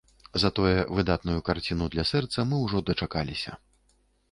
Затое выдатную карціну для сэрца мы ўжо дачакаліся.